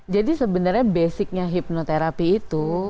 jadi sebenarnya basicnya hipnoterapi itu